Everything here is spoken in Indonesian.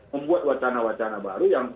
membuat wacana wacana baru yang